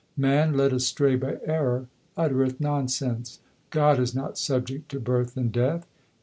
Man led astray by error uttereth nonsense. God is not subject to birth and death.